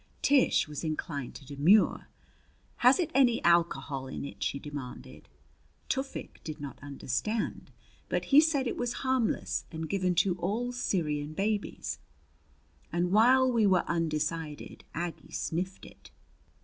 Tish was inclined to demur. "Has it any alcohol in it?" she demanded. Tufik did not understand, but he said it was harmless and given to all the Syrian babies; and while we were still undecided Aggie sniffed it.